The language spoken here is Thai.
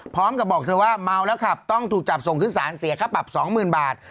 พร้อมกับบอกเธอว่าเมาแล้วขับต้องถูกจับส่งขึ้นศาลเสียค่าปรับ๒๐๐๐บาท